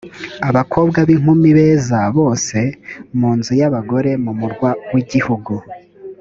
abakobwa b’inkumi beza bose mu nzu y’abagore mu murwa w’igihugu